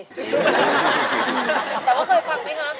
แต่ว่าเคยฟังไหมคะ